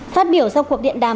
phát biểu sau cuộc điện đàm